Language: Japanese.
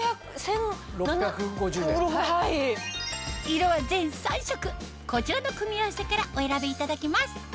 色は全３色こちらの組み合わせからお選びいただけます